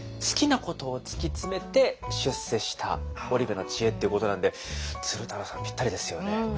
好きなことを突き詰めて出世した織部の知恵ってことなんで鶴太郎さんぴったりですよね。